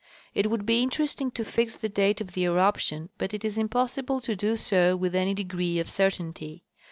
It would be interesting to fix the date of the eruption, but it is impossible to do so with any degree of certainty.